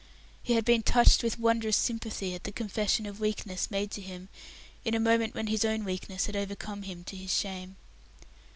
He had been touched with wondrous sympathy at the confession of weakness made to him, in a moment when his own weakness had overcome him to his shame.